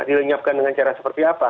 direnyapkan dengan cara seperti apa